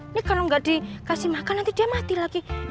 ini kalo ga dikasih makan nanti dia mati lagi